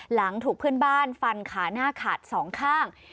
หลังถูกเพื่อนบ้านฟันขาหน้าขาดสองข้าง